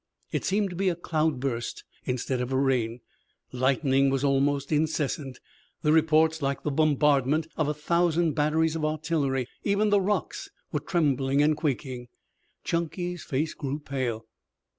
It seemed to be a cloudburst instead of a rain. Lightning was almost incessant, the reports like the bombardment of a thousand batteries of artillery, even the rocks trembling and quaking. Chunky's face grew pale.